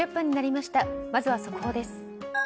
まずは速報です。